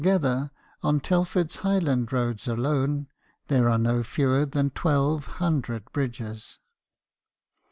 25 gether, on Telford's Highland roads alone, there are no fewer than twelve hundred bridges.